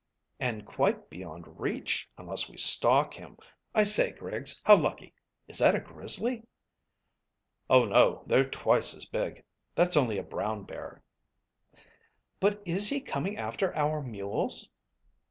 "And quite beyond reach, unless we stalk him. I say, Griggs, how lucky! Is that a grizzly?" "Oh, no; they're twice as big. That's only a brown bear." "But is he coming after our mules?"